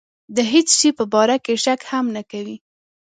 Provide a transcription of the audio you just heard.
د هېڅ شي په باره کې شک هم نه کوي.